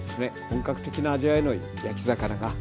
本格的な味わいの焼き魚が。